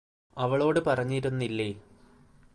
അവളോട് പറഞ്ഞിരുന്നില്ലേ